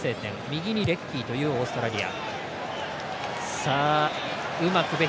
右にレッキーというオーストラリア。